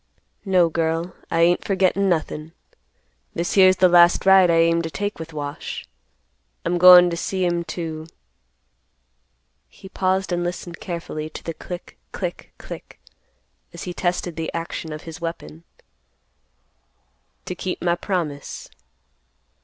"No, girl, I ain't forgettin' nothin'. This here's the last ride I aim to take with Wash. I'm goin' to see him to,"—he paused and listened carefully to the click, click, click, as he tested the action of his weapon—"to keep my promise."